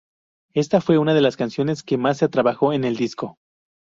Esta fue una de las canciones que más se trabajó en el disco.